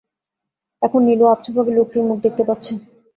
এখন নীলু আবছাভাবে লোকটির মুখ দেখতে পাচ্ছে।